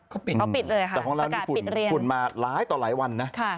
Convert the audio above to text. เขาปิดเลยค่ะปกปิดเรียนแต่ของเรานี่ฝุ่นมาร้ายต่อหลายวันนะ